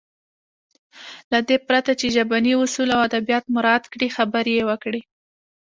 له دې پرته چې ژبني اصول او ادبيات مراعت کړي خبرې يې وکړې.